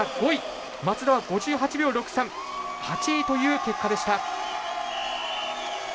松田は５８秒６３８位という結果でした。